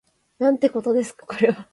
なんてことですかこれは